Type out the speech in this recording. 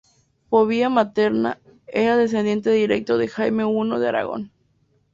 Por vía materna, era descendiente directo de Jaime I de Aragón.